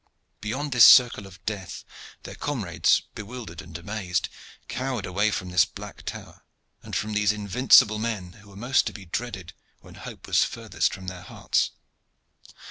Beyond this circle of death their comrades, bewildered and amazed, cowered away from this black tower and from these invincible men, who were most to be dreaded when hope was furthest from their hearts.